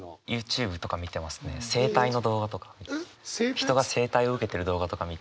人が整体を受けてる動画とか見て。